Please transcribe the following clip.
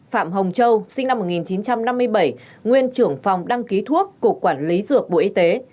phạm hồng châu sinh năm một nghìn chín trăm năm mươi bảy nguyên trưởng phòng đăng ký thuốc cục quản lý dược bộ y tế